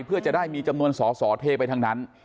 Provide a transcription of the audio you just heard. เพื่อจะได้มีจำนวนสอสอเทไปทั้งนั้น